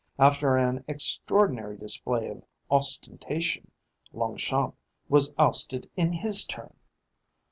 After an extraordinary display of ostentation, Longchamp was ousted in his turn.